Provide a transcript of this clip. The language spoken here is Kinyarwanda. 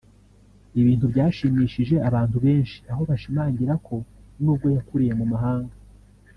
ibintu byashimishije abantu benshi aho bashimangiraga ko n’ubwo yakuriye mu mahanga